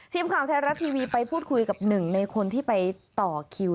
ทีมความแทนรัฐทีวีไปพูดคุยกับ๑ในคนที่ไปต่อคิว